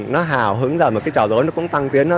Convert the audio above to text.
nó hào hứng ra một cái trò rối nó cũng tăng tiến